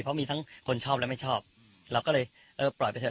เพราะมีทั้งคนชอบและไม่ชอบเราก็เลยเออปล่อยไปเถ